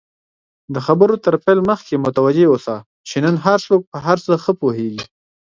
د خبرو تر پیل مخکی متوجه اوسه، چی نن هرڅوک په هرڅه ښه پوهیږي!